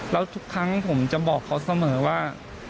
แล้วทุกครั้งผมจะบอกเขาเสมอว่า